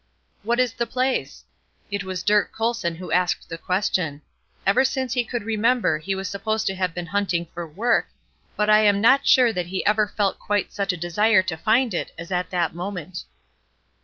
"What is the place?" It was Dirk Colson who asked the question. Ever since he could remember he was supposed to have been hunting for work, but I am not sure that he ever felt quite such a desire to find it as at that moment.